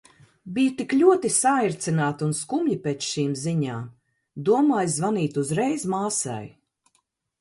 Biju tik ļoti saērcināta un skumja pēc šīm ziņām. Domāju zvanīt uzreiz māsai.